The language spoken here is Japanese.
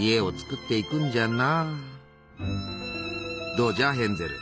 どうじゃヘンゼル。